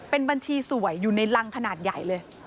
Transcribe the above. เป็นบัญชีสวยอยู่ในรังขนาดใหญ่เลย